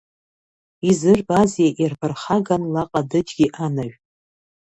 Изырбазеи ирԥырхаган ла ҟадыџьгьы анажә!